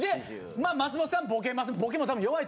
まあ松本さんボケます。